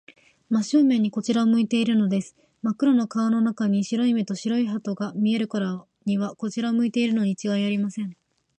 真正面にこちらを向いているのです。まっ黒な顔の中に、白い目と白い歯とが見えるからには、こちらを向いているのにちがいありません。